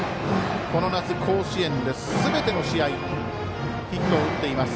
この夏、甲子園で、すべての試合ヒットを打っています